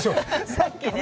さっきね。